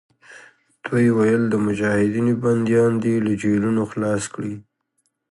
دوی ویل د مجاهدینو بندیان دې له جېلونو خلاص کړي.